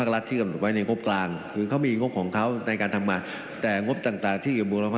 รัฐภาษาการสวิทยาลัยอิสระ